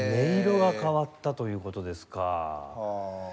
音色が変わったという事ですか。